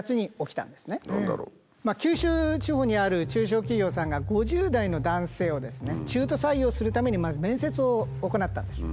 九州地方にある中小企業さんが５０代の男性をですね中途採用するために面接を行ったんです。